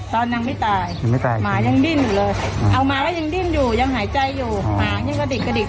ตอนนางไม่ตายยังไม่ตายหมายังดิ้นอยู่เลยเอามาแล้วยังดิ้นอยู่ยังหายใจอยู่หมายังกระดิกกระดิก